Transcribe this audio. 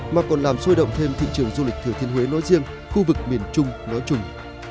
mà còn làm sôi động thêm thị trường du lịch thừa thiên huế nói riêng khu vực miền trung nói chung